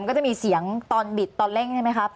ก็จะมีเสียงตอนบิดตอนเร่งใช่ไหมครับ